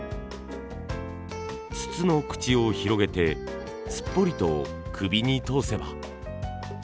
筒の口を広げてすっぽりと首に通せば。